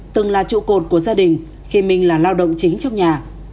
từng là trụ cột của gia đình khi minh là lao động chính trong nhà